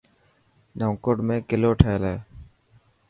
نئونڪوٽ ۾ ڪلو ٺهيل هي.